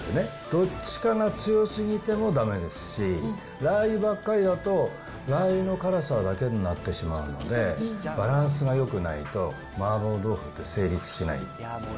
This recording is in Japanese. どっちかが強すぎてもだめですし、ラー油ばっかりだとラー油の辛さだけになってしまうので、バランスがよくないと麻婆豆腐って成立しない。